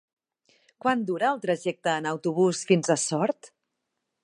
Quant dura el trajecte en autobús fins a Sort?